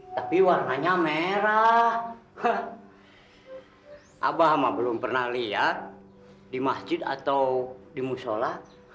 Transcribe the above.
tapi warnanya merah abah sama belum pernah lihat di masjid atau di musola